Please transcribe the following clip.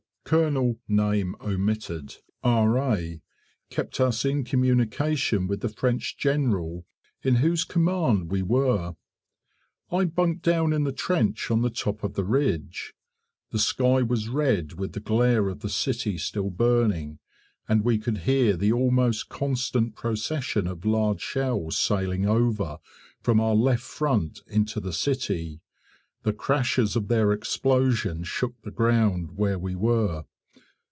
Col. , R.A., kept us in communication with the French General in whose command we were. I bunked down in the trench on the top of the ridge: the sky was red with the glare of the city still burning, and we could hear the almost constant procession of large shells sailing over from our left front into the city: the crashes of their explosion shook the ground where we were.